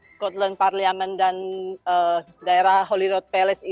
scotland parliament dan daerah holyrood palace ini masih berjalan normal seperti biasa seperti